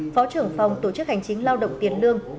phó trưởng phòng tổ chức hành chính lao động tiền lương